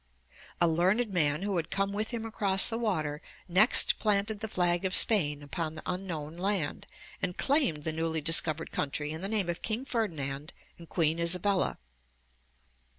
A learned man who had come with him across the water next planted the flag of Spain upon the unknown land, and claimed the newly discovered country in the name of King Ferdinand and Queen Isabella.